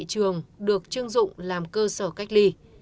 trường được chương dụng làm cơ sở cách ly